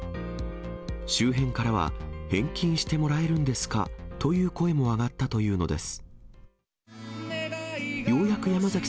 周辺からは、返金してもらえるんですかという声も上がったというのです。